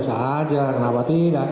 bisa saja kenapa tidak